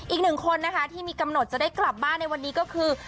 อีกหนึ่งคนนะคะที่มีกำหนดจะได้กลับบ้านในวันนี้ก็คือ